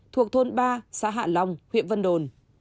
thuộc thôn ba xã hạ long huyện vân đồn